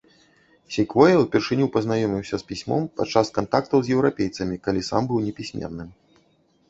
Секвоя ўпершыню пазнаёміўся з пісьмом падчас кантактаў з еўрапейцамі, калі сам быў непісьменным.